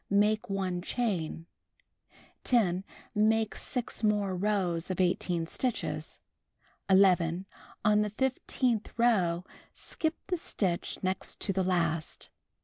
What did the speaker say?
Make 1 chain. 10. Make 6 more rows of 18 stitches. 11. On the fifteenth row, skip the stitch next to the last.